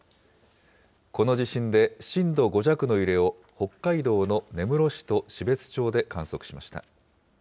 この地震で震度５弱の揺れを北海道の根室市と標津町で観測しました。